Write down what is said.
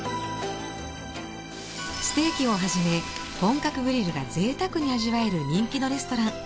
ステーキを始め本格グリルが贅沢に味わえる人気のレストラン。